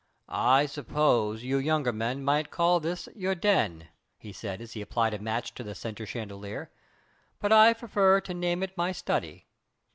"I suppose you younger men might call this your 'den,'" he said as he applied a match to the centre chandelier, "but I prefer to name it my study."